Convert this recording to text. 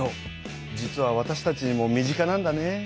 実はわたしたちにも身近なんだね。